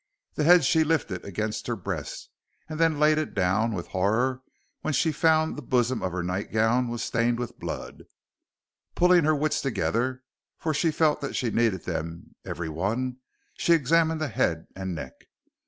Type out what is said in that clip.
The head she lifted against her breast, and then laid it down with horror when she found the bosom of her nightgown was stained with blood. Pulling her wits together, for she felt that she needed them every one, she examined the head and neck.